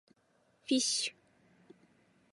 fish